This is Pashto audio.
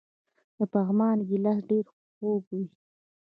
د پغمان ګیلاس ډیر خوږ وي.